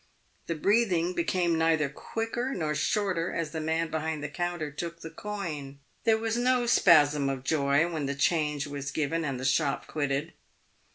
The breath ing became neither quicker nor shorter as the man behind the counter took the coin. There was no spasm of joy when the change was given and the shop quitted.